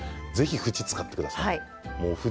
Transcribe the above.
縁を使ってください。